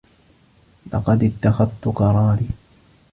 لقد اتّخذت قراري.